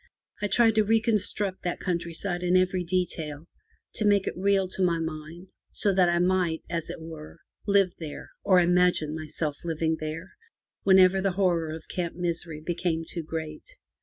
I tried to reconstruct that countryside in every detail, to make it real to my mind, so that I might, as it were, live there, or imagine myself living there, whenever the horror of Camp Misery became too great.